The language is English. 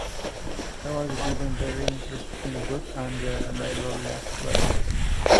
I was given a very interesting book at the library last Friday.